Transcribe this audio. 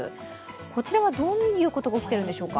こちらはどういうことが起きているんでしょうか？